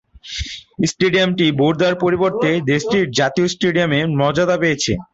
স্টেডিয়ামটি বোর্দা’র পরিবর্তে দেশটির জাতীয় স্টেডিয়ামের মর্যাদা পেয়েছে।